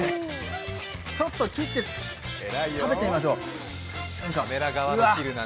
ちょっと切って食べてみましょう。